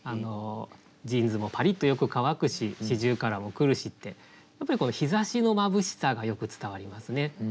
ジーンズもパリッとよく乾くし四十雀も来るしってやっぱりこの日ざしのまぶしさがよく伝わりますね。